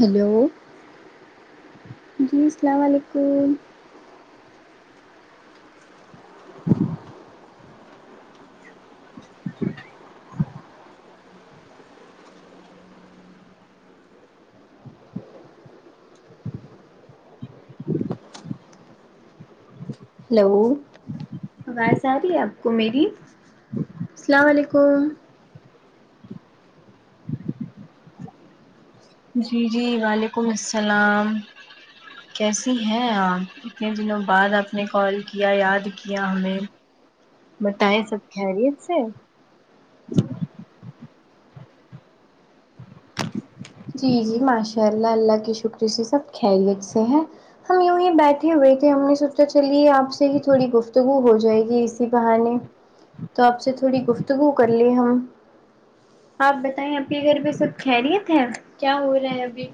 hello جی سلام وعلیکم hello آواز آ رہی ہے آپ کو میری سلام وعلیکم جی جی وعلیکم اسلام کیسی ہیں آپ اتنے دنوں بعد آپ نے کال کیا یاد کیا ہمیں بتائے سب کھیریت سے ہے جی جی ماشاء اللہ اللہ کے شکر سے سب کھیریت سے ہیں ہم یوں ہی بیٹھے ہوئے تھے ہم نے سوچا چلیے آپ سے ہی تھوڑی گفتگو ہو جائے گی اس اسی بہانے تو آپ سے تھوڑی گفتگو کر لیں ہم آپ بتائیں اپ کے گھر پہ سب کھیریت ہیں کیا ہو رہا ہے ابھی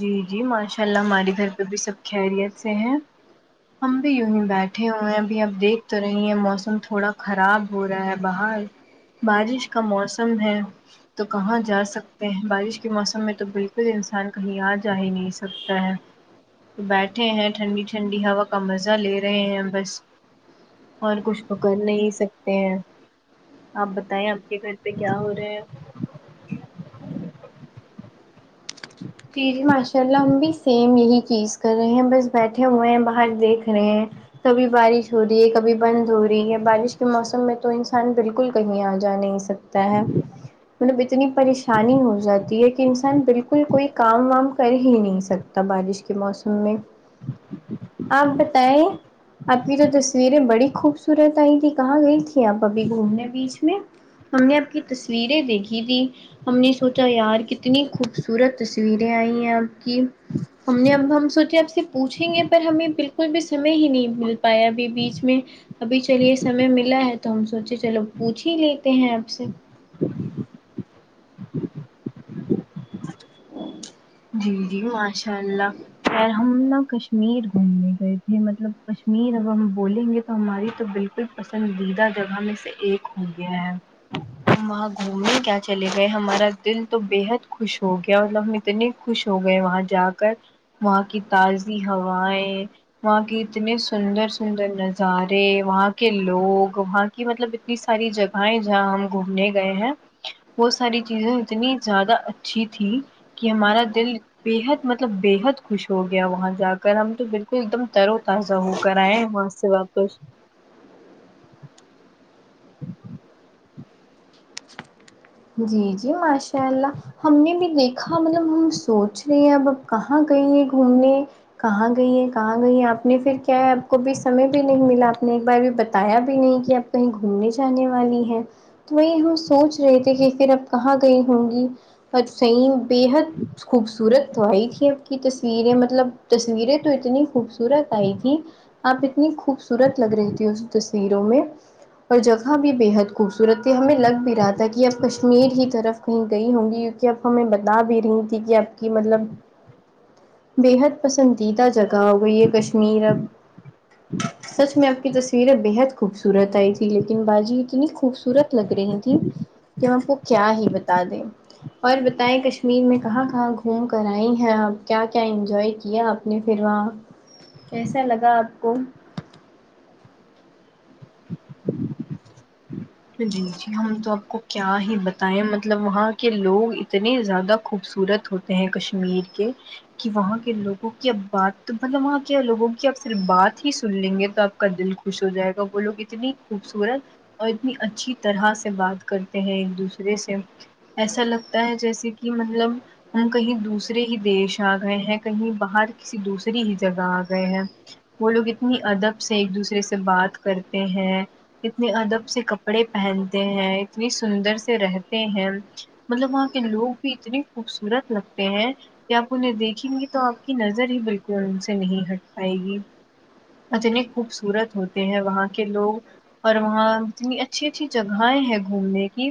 جی جی ماشاء اللہ ہمارے گھر پہ بھی سب کھیریت سے ہیں ہم بھی یونہی بیٹھ اٹھے ہوئے ہیں ابھی اب دیکھ تو رہی ہیں موسم تھوڑا کھراب ہو رہا ہے باہر بارش کا موسم ہے تو کہاں جا سکتے ہیں بارش کے موسم میں تو بالکل انسان کہیں آ جا ہی نہیں سکتا ہے بیٹھے ہیں ٹھنڈی ٹھنڈی ہوا کا مزہ لے رہے ہیں بس اور کچھ تو کر نہیں سکتے ہیں آپ بتائیں آپ کے گھر پہ کیا ہو رہا ہے جی جی ماشاء اللہ ہم بھی سیم یہی چیز کر رہے ہیں بس بیٹھے ہوئے ہیں باہر دیکھ رہے ہیں کبھی بارش ہو رہی ہے کبھی بند ہو رہی ہے بارش کے موسم میں تو انسان بالکل کہیں آ جا نہیں سک تا ہے مطلب اتنی پریشانی ہو جاتی ہے کہ انسان بالکل کوئی کام وام کر ہی نہیں سکتا بارش کے موسم میں آپ بتائیں آپ کی جو تصویر یں بڑی خوب صورت آئی تھی کہاں گئی تھی آپ ابھی گھومنے بیچ میں ہم نے آپ کی تصویریں دیکھی تھی ہم نے سوچا یار کتنی خوبصورت تصویریں آئی ہیں آپ کی ہم نے اب ہم سوچے آپ سے پوچھیں گے پر ہمیں بالکل بھی سمے ہی نہیں مل پایا ابھی بیچ میں ابھی چلیے سمے ملا ہے تو ہم سوچے چلو پوچھ ہی لیتے ہیں آپ سے [inaudible] جی جی ماشاء اللہ خیر ہم نہ کشمیر گھومنے گئے یہ مطلب کشمیر اگر ہم بولیں گے تو ہماری تو بالکل پسندیدہ جگہ میں سے ایک ہو گیا ہے ہم وہاں گھومنے کیا چلے گئے ہمارا دل تو بےحد خوش ہو گیا اور ہم اتنے خوش ہو گئے وہاں جا کر وہاں کی تازی ہوائیں وہاں کی اتنے سندر سندر نظار ے وہاں کے لوگ وہاں کی مطلب اتنی ساری جگہیں جہاں ہم گھومنے گئے ہیں وہ ساری چیزیں اتنی زیادہ اچھی تھی کہ ہمارا دل بےحد مطلب بےحد خوش ہو گیا وہاں جا کر ہم تو بالکل ایک دم تر و تازہ ہو کرر آئے ہیں وہا ں سے سے واپس [inaudible] جی جی ماشاء اللہ ہم نے بھی دیکھا مطلب ہم سوچ رہے ہیں اب اب کہاں گئی ہیں گھومنے کہاں گئی ہیں کہاں گئی ہیں آپ نے پھر کیا ہے آپ کو بھی سمے بھی نہیں ملا آپ نے ایک بار بھی بتایا بھی نہیں کہ آپ کہیں گھومنے جانے والی ہیں تو وہی ہم سوچ رہے پھر اب کہاں گئی ہوں گی بٹ صحیح بےحد خوبصورت تو آئی تھی آپ کی تصویریں مطلب تصویریں تو اتنی خوبصورت آئی تھی آپ اتنی خوبصورت لگ رہی تھی اس تصویروں میں اور جگہ بھی بےحد خوبصورت تھی ہمیں لگ بھی رہا تھا کہ اب کشمیر ہی طرف کہیں گئی ہوں گی کیونکہ اب ہمیں بتا بھی رہی تھی کہ اب کی مطلب بےحد پسندیدہ جگہ ہو گئی یہ کشمیر اب [inaudible] سچ میں آپ کی تصویریں بےحد خوبصورت آئی تھی لیکن باجی اتنی خوبصورت لگ رہی تھیں کہ ہم کو کیا ہی بتا دیں اور بتائیں کشمیر میں کہاں کہاں گھوم کر آئی ہیں آپ کیا کیا انجوائے کیا آپ نے پھر وہاں کیسا لگا آپ کو جی جی ہم تو آپ کو کیا ہی بتائیں مط لب وہاں کے لوگ اتنے زیادہ خوبصورت ہوتے ہیں کشمیر کے کہ وہاں کے لوگوں کی اب بات مطلب وہاں کیا لوگوں کہ آپ صرف بات ہی سن لیں گے تو آپ کا دل خوش ہو جائے گا وہ لوگ اتنی خوبصورت اور اتنی اچھی طرح سے بات کرتے ہیں ایک دوسرے سے ایسا لگتا ہے جیسے کہ مطلب ہم کہیں دوسرے ہی دیش آ گئے ہیں کہیں باہر کسی دوسری ہی جگہ آ گئے ہیں وہ لوگ اتنی ادب سے ایک دوسرے سے بات کرتے ہیں اتنے ادب سے کپڑے پہنتے ہیں اتنی سندر سے رہتے ہیں مطلب وہاں کے لوگ بھی اتنے خوبصورت لگتے ہیں کہ آپ انہیں دیکھیں گی تو آپ کی نظر ہی بالکل ان سے نہیں ہٹ پائے گی اتنے خوبصورت ہوتے ہیں وہاں کے لوگ اور وہاں اتنی اچھی اچھی جگہیں ہیں گھومنے کی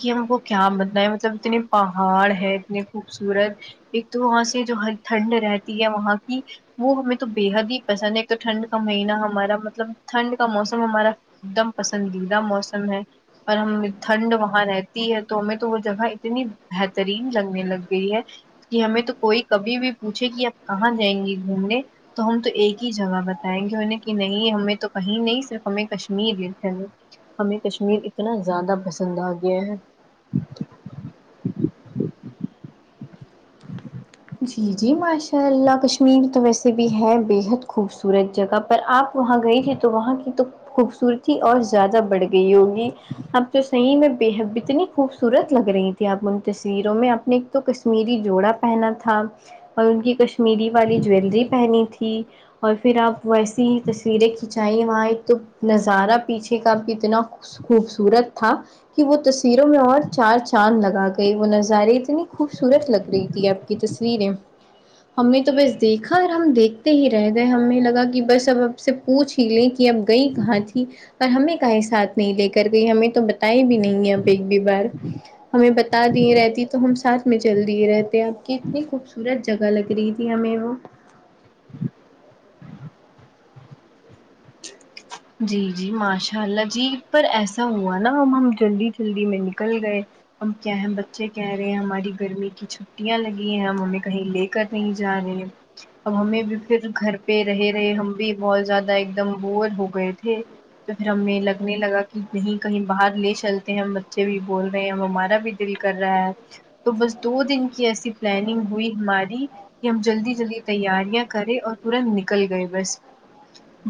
کہ ہم کو کیا بتائیں ہے مطلب اتنے پہاڑ ہے اتنے خوبصورت ایک تو وہاں سے جو ہر ٹھنڈ میں رہتی ہے وہاں کی وہ ہمیں تو بے حد ہی پسند ہے ایک تو ٹھنڈ کا مہینہ ہمارا مطلب ٹھنڈ کا موسم ہمارا ایک دم پسندیدہ موسم ہے اور ہم ٹھنڈ وہاں رہتی ہے تو ہمیں تو وہ جگہ اتنی بہترین لگنے لگ گئی ہے کہ ہمیں تو کوئی کبھی بھی پوچھے کہ ہم کہاں جائیں گی گھومنے تو ہم تو ایک ہی جگہ بتائیں گے انہیں کہ نہیں ہمیں تو کہیں نہیں صرف ہمیں کش میر لے چلیں ہمیں کشمیر اتنا زیادہ پسند آ گیا ہے جی جی ماشاء اللہ کشمیر تو ویسے بھی ہے بےحد خوبصورت جگہ پر آپ وہاں گئی تھی تو وہاں کی تو خوبصورتی اور زیادہ بڑھ گئی ہوگی اپ تو صحیح میں بے حد اتنی خوبصورت لگ رہی تھی اپ ان تصویروں میں اپنی تو کشمیری جوڑا پہنا تھا اور ان کی کشمیری والی جویلری پہنی تھی اور پھر آپ ویسی تصویریں کھینچائیے وہاں ایک تو نظارہ پیچھے کا کتنا خوبصورت تھا کہ وہ تصویروں میں اور چار چاند لگا گئے وہ نظارے اتنی خوبصورت لگ رہی تھی اب تصویریں ہم نے تو بس دیکھا اور ہم دیکھتے ہی رہ گئے ہمیں لگا کہ بس اب آپ سے پوچھ ہی لیں کہ اب گئی کہاں تھی پر ہمیں کہیں ساتھ نہیں لے کر گئی ہمیں تو بتا آئی بھی نہیں ہے اپ ایک بھی بار ہمیں بتا دیے رہتی تو ہم ساتھ میں چل دیے رہتے آپ کے اتنی خوبصورت جگہ لگ رہی تھی ہمیں وہ جی جی ماشاء اللہ جی پر ایسا ہوا نا اب ہم جلدی جلدی میں نکل گئے اب کیا ہیں بچے کہہ رہے ہیں ہماری گرمی کی چ ھٹیاں لگی ہیں ممی کہیں لے کر نہیں جا رہے اب ہمیں بھی پھر گھر پہ رہے رہے ہم بھی بہت زیادہ ایک دم بور ہو گئے تھے تو پھر ہمیں لگنے لگا کہ یہیں کہیں باہر لے چلتے ہیں ہم بچے بھی بول رہے ہیں ہم ہمارا بھی دل کر رہا ہے تو بس دو دن کی ایسی پلاننگ ہوئی ہماری کہ ہم جلدی جلدی تیاریاں کرے اور تورنت نکل گئے بس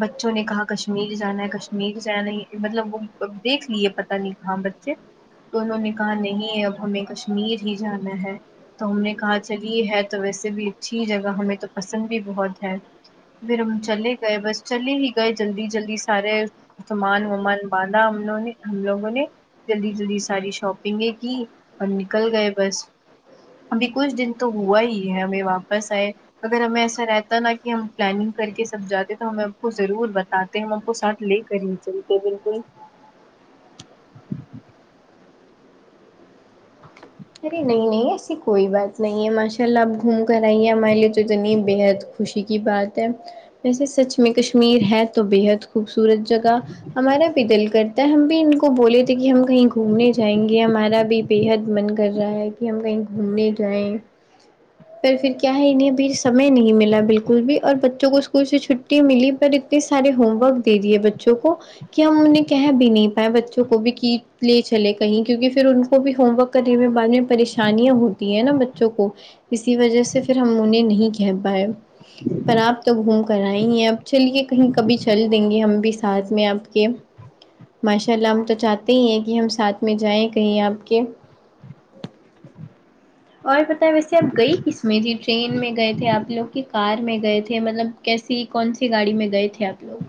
بچوں نے کہا کشمیر جانا ہے کشمیر جانا ہی مطلب وہ دیکھ لیے پت نہیں کہاں بچے تو انہوں نے کہا نہیں اب ہمیں کشمیر ہی جانا ہے تو ہم نے کہا چلیے ہے تو ویسے بھی اچھی جگہ ہمیں تو پسند بھیڑ بہت ہے پھر ہم چلے گئے بس چلے ہی گئے جلدی جلدی سارے سامان ومان باندھا ہم لو لو ں نے ہم لوگوں نے جلدی جلدی ساری شاپنگیں کی اور نکل گئے بس ابھی کچھ دن تو ہوا ہی ہے ہمیں واپس آئے اگر ہمیں ایسا رہتا نا کہ ہم پلاننگ کر کے سب جاتے تو ہمیں کو ضرور بتاتے ہم کو ساتھ لے کر ہی چلتے بالکل ارے نہیں نہیں ایسی کوئی بات نہیں ہے ماشاء اللہ اب گھوم کر آئیے ہمارے لیے تو اتنی بے حد خوشی کی بات ویسے سچ میں کشمیر ہے تو بے حد خوبصورت جگہ ہمارا بھی دل کرتا ہے ہم بھی کو بولے تھے کہ ہم کہیں گھومنے جائیں گے ہمارا بھی بے حد من کر رہا ہے کہ ہم کہیں گھومنے جائیں پر پھر کیا ہے انہیں بھی سمے نہیں ملا بالکل بھی اور بچوں کو اسکول سے چھٹی ملی پر اتنے سارے ہوم ورک دے دئیے بچوں کو کہ ہم انہیں کہہ بھی نہیں پائے بچوں کو بھی کی لے چلے کہیں کیونکہ پھر ان کو بھی ہوم ورک قریبی بان [unintelligible] پریشانیاں ہوتی ہیں نا بچوں کو اسی وجہ سے پھر ہم انہیں نہیں کہہ پائے پر آپ تو گھوم کر آئی ہیں اب چلیے کہیں کبھی چل دیں گے ہم بھی ساتھ میں آپ کے ماشاء اللہ ہم تو چاہتے ہی ہیں کہ ہم ساتھ میں جائیں کہیں آپ کے اور پتہ ویسے آپ گئی کس میں تھی ٹرین میں گئے تھے آپ لوگ کی کار میں گئے تھے مطلب کیسی کون سی گاڑی میں گئے تھے آپ لوگ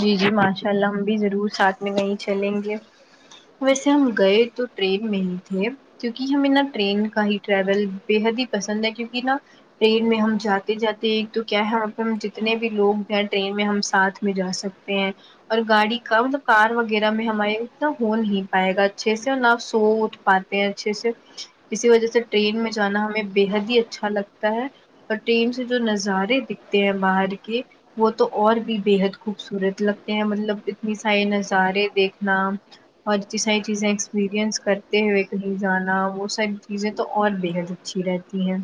جی جی ماشا الله ان شاء اللہ ہم بھی ضرور ساتھ میں کہی چلیں گے ویسے ہم گئے تو ٹرین میں ہی تھے کیونکہ ہمیں نا ٹرین کا ہی ٹریول بے حد ہی پسند ہے کیونکہ نا ٹرین میں ہم جاتے جاتے ایک تو کیا ہے ہم پ ہم جتنے بھی لوگ ٹرین میں ہم ساتھ میں جا سکتے ہیں اور گاڑی کا مطلب کار وغیرہ میں ہمارے اتنا ہو نہیں پائے گا اچھے سے نا سو اٹھ پاتے ہیں اچھے سے اسی وجہ سے ٹرین میں جانا ہمیں بےحد ہی اچھا لگ لگتا ہے اور ٹر ین سے جو نظارے دکھتے ہیں باہر کے وہ تو اور بھی بےحد خوبصورت لگتے ہیں مطلب اتنی سارے نظارے دیکھنا اور اتنی ساری چیزیں ایکسپییرئنس کرتے ہوئے کہیں جانا وہ سب چیزیں تو اور بےحد اچھی رہتی ہیں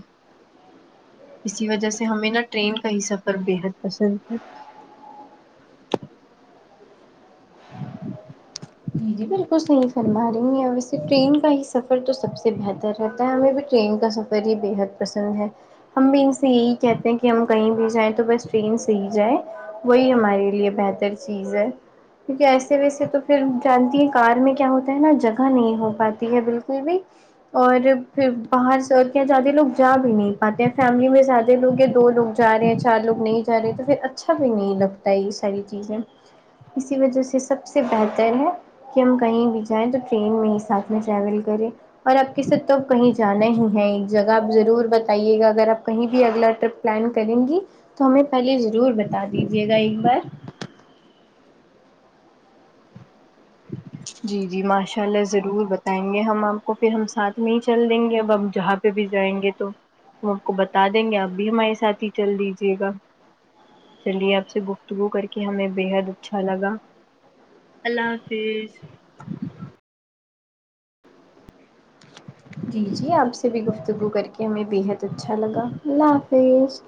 اسی وجہ سے ہمیں نا ٹرین کا ہی سفر بےحد پسند ہے جی جی بالکل صحیح فرما رہی ہیں ویسے ٹرین کا ہی سفر تو سب سے بہتر رہتا ہے ہمیں بھی ٹرین کا سفر ہی بےحد پسند ہے ہم بھی ان سے یہی کہتے ہیں کہ ہم کہیں بھی جائیں تو بس ٹرین سے ہی جائیں وہی ہمارے لیے بہتر چیز ہے کیونکہ ایسے ویسے تو پھر جانتی ہے کار میں کیا ہوتا ہے نا جگہ نہیں ہو پاتی ہے بالکل بھی اور پھر باہر سب زیادہ لوگ جا بھی نہیں پاتے ہیں فیملی میں زیادہ لوگ ہیں دو لوگ جا رہے ہیں چار لوگ نہیں جا رہے تو پھر اچھا بھی نہیں لگتا یہ ساری چیزیں اسی وجہ سے سب سے بہتر بہتر ہے کہ ہم کہیں بھی جائیں تو ٹرین میں ہی ساتھ میں ٹریول کریں اور آپ کے ساتھ تو کہیں جانا ہی ہے ایک جگہ آپ ضرور بتائیے گا اگر آپ کہیں بھی اگلا ٹرپ پلان کریں گی تو ہمیں پہلے ضرور بتا دیجیے گا ایک بار جی جی ماشاء اللہ ضرور بتائیں گے ہم آپ کو پھر ہم ساتھ میں ہی چل دیں گے اب ہمب جہاں پھر بھی جائیں گے تو ہم آپ کو بتا دیں گے اب بھی ہمارے ساتھ ہی چل دیجیے گا چلیے آپ سے گفتگو کر کے ہمیں بےحد اچھا لگا اللہ حاف تے جی جی آپ سے بھی گفتگو کر کے ہمیں بےحد اچھا لگا اللہ حافظ